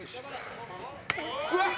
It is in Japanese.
うわっ。